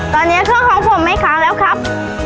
ตอนนี้ข้อของผมไม่ขาวแล้วครับ